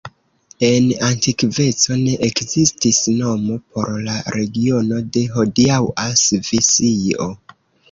En antikveco ne ekzistis nomo por la regiono de hodiaŭa Svisio.